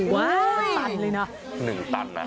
ว้าวเป็นตันเลยนะ